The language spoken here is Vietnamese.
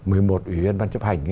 một mươi một ủy viên văn chấp hành